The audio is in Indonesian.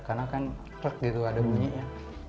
karena kan klik gitu ada bunyinya